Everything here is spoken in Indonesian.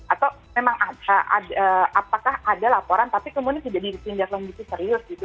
atau memang apakah ada laporan tapi kemudian tidak ditindaklanjuti serius gitu